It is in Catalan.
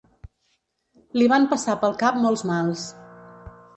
Li van passar pel cap molts mals.